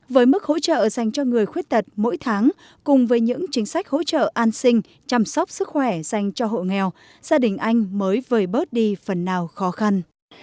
với mức hỗ trợ dành cho người khuyết tật mỗi tháng cùng với những chính sách hỗ trợ an sinh chăm sóc sức khỏe dành cho hộ nghèo gia đình anh mới vời bớt đi phần nào khó khăn